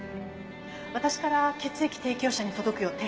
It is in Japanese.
私から血液提供者に届くよう手配します。